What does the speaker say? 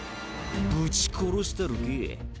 ぶち殺したるけぇ。